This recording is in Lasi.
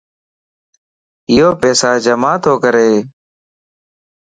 ايو پيسا جمع تو ڪري